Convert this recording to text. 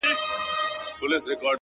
ما چي د هيلو د اختر شېبې ـ شېبې شچيرلې!!